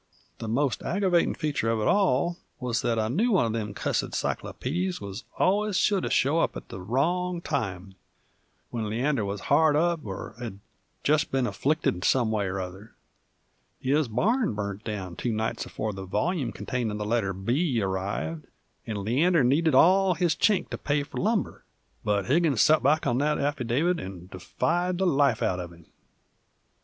The most aggervatin' feature uv it all wuz that a new one uv them cussid cyclopeedies wuz allus sure to show up at the wrong time, when Leander wuz hard up or had jest been afflicted some way or other. His barn burnt down two nights afore the volyume containin' the letter B arrived, and Leander needed all his chink to pay f'r lumber, but Higgins sot back on that affidavit and defied the life out uv him.